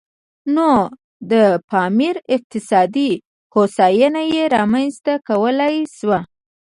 نو د پاموړ اقتصادي هوساینه یې رامنځته کولای شوه.